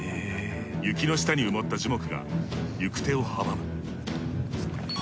雪の下に埋もった樹木が行く手を阻む。